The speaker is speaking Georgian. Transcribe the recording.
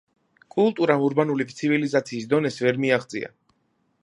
კულტურამ ურბანული ცივილიზაციის დონეს ვერ მიაღწია.